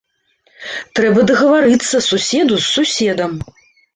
Трэба дагаварыцца суседу з суседам.